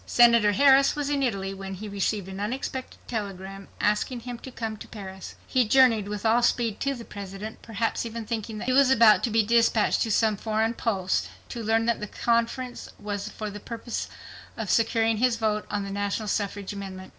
Senator Harris was in Italy when he received an unexpected telegram asking him to come to Paris. He journeyed with all speed to the President, perhaps even thinking that he was about to be dispatched to some foreign post, to learn that the conference was for the purpose of securing his vote on the national suffrage amendment.